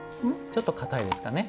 ちょっと硬いですかね。